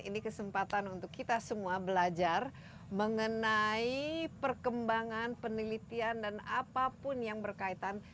ini kesempatan untuk kita semua belajar mengenai perkembangan penelitian dan apapun yang berkaitan